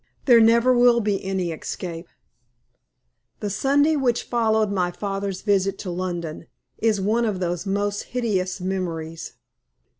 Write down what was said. There never will be any escape. The Sunday which followed my father's visit to London is one of those hideous memories.